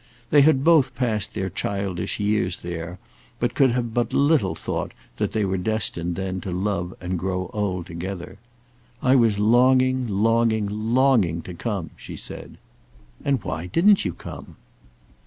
They had both passed their childish years there, but could have but little thought that they were destined then to love and grow old together. "I was longing, longing, longing to come," she said. "And why didn't you come?"